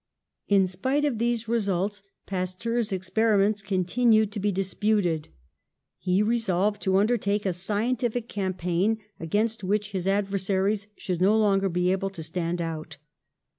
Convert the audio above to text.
In spite of these results, Pasteur's experi ments continued to be disputed. He resolved to undertake a scientific campaign, against which his adversaries should no longer be able to stand out.